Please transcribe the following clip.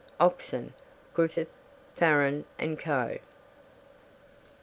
Oxon. (Griffith, Farran and Co.)